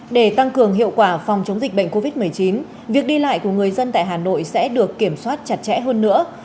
để tăng cường hiệu quả phòng chống dịch bệnh covid một mươi chín việc đi lại của người dân tại hà nội sẽ được kiểm soát chặt chẽ hơn nữa